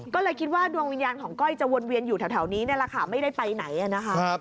ก็เลยคิดว่าดวงวิญญาณของก้อยจะวนเวียนอยู่แถวนี้นี่แหละค่ะไม่ได้ไปไหนนะคะ